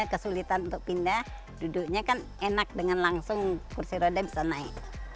kesulitan untuk pindah duduknya kan enak dengan langsung kursi roda bisa naik